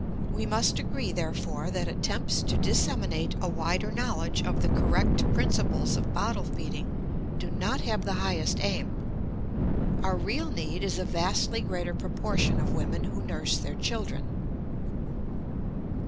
We must agree, therefore, that attempts to disseminate a wider knowledge of the correct principles of bottle feeding do not have the highest aim. Our real need is a vastly greater proportion of women who nurse their children.